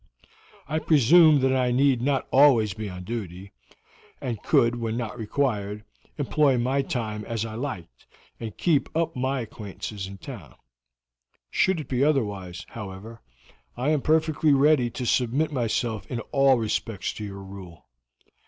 I presume that I need not always be on duty, and could, when not required, employ my time as I liked, and keep up my acquaintances in town. Should it be otherwise, however, I am perfectly ready to submit myself in all respects to your rule.